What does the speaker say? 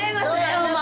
どうも。